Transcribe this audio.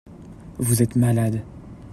Vous êtes malade.